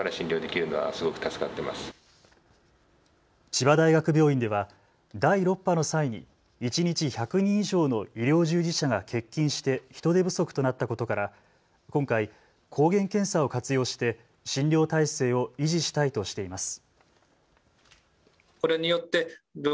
千葉大学病院では第６波の際に一日１００人以上の医療従事者が欠勤して人手不足となったことから今回、抗原検査を活用して診療態勢を維持したいとしています。